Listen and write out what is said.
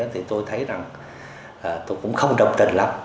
thì tôi thấy rằng tôi cũng không đồng tình lắm